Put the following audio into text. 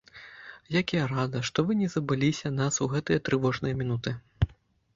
Як я рада, што вы не забыліся нас у гэтыя трывожныя мінуты.